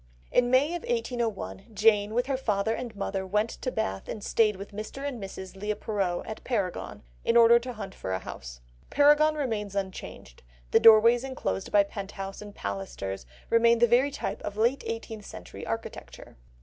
In May of 1801, Jane, with her father and mother, went to Bath and stayed with Mr. and Mrs. Leigh Perrot at Paragon, in order to hunt for a house. Paragon remains unchanged, the doorways enclosed by pent house and pilasters remain the very type of late eighteenth century architecture.